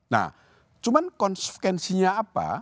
nah cuman konsekuensinya apa